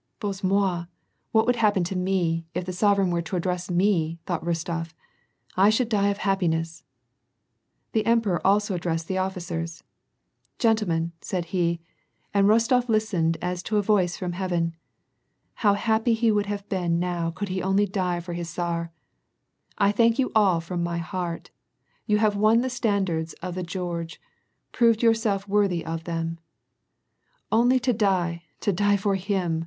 " Bozhe mo'i I what would happen to me, if the sovereign were to address me !'' thought Rostof ." I should die of hap piness !" The emperor also addressed the officers, —" Gentlemen," said he, and Rostof listened as to a voice from heaven. How happy would he have been now could he onlj die for his Tsar !" I thank you all from my heart ! You have won the standards of the George, prove yourselves worthy of them !"" Only to die, to die for him